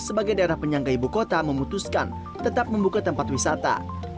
sebagai daerah penyangga ibu kota memutuskan tetap membuka tempat wisata